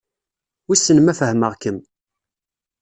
Wissen ma fehmeɣ-kem?